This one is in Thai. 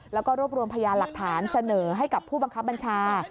แล้วก็รวบรวมพยานหลักฐานเสนอให้กับผู้บังคับบัญชา